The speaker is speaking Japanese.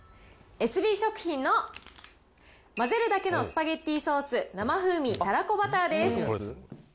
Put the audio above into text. エスビー食品のまぜるだけのスパゲッティソース生風味たらこバターです。